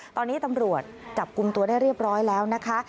ตอนนี้ตำรวจจับกลุ่มตัวได้เรียบร้อยแล้วนะคะ